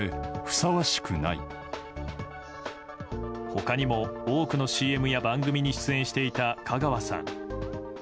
他にも多くのＣＭや番組に出演していた香川さん。